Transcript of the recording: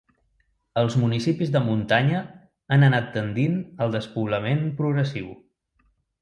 Els municipis de muntanya han anat tendint el despoblament progressiu.